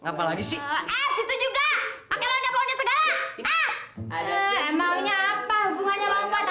mulai bakal indah